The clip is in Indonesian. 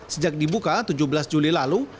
sejak dibuka tujuh belas juli lalu